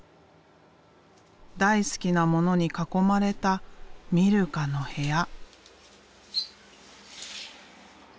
大好きなものに囲まれたミルカの部屋。